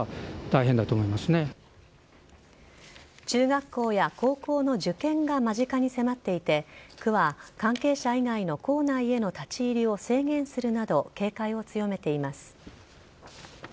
中学校や高校の受験が間近に迫っていて区は関係者以外の構内への立ち入りを制限するなど警戒を強めています。